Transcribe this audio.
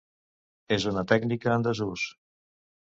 És una tècnica en desús.